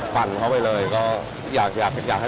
ฝั่นเข้าไปเลยก็อยากให้ไปลองชิมกันดี